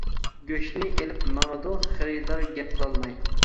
گۆشنى ئېلىپ ماڭىدۇ، خېرىدار گەپ قىلالماي.